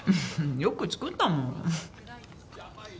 よく作ったもん。